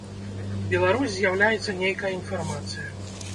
Беларусь з'яўляецца нейкая інфармацыя.